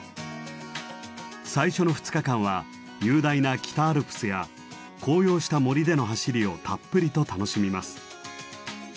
最初の２日間は雄大な北アルプスや紅葉した森での走りをたっぷりと楽しみます。